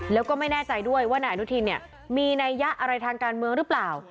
แล้วก็ไม่แน่ใจด้วยว่านายอนุทินเนี่ยมีนัยยะอะไรทางการเมืองหรือเปล่า